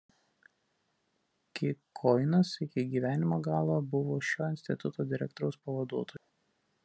Kikoinas iki gyvenimo galo buvo šio instituto direktoriaus pavaduotoju.